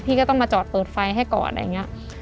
พี่ก็ต้องมาจอดเปิดไฟให้ก่อน